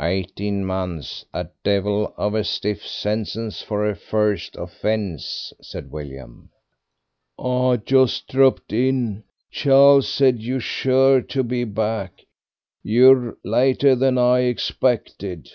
"Eighteen months; a devil of a stiff sentence for a first offence," said William. "I just dropped in. Charles said you'd sure to be back. You're later than I expected."